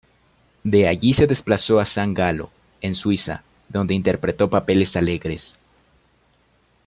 De allí se desplazó a San Galo, en Suiza, donde interpretó papeles alegres.